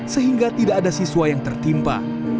sehingga tidak ada siswa yang tertimpa